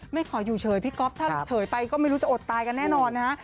ขออยู่เฉยพี่ก๊อฟถ้าเฉยไปก็ไม่รู้จะอดตายกันแน่นอนนะฮะ